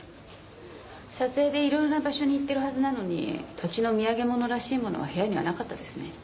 撮影でいろいろな場所に行ってるはずなのに土地の土産物らしいものは部屋にはなかったですね。